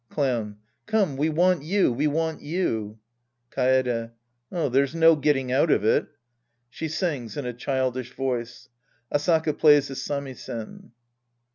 Clown. Come, we want you, we want you. Kaede. There's no getting out of it. {She sings in a childish voice. AsPiS.x plays the samisen.)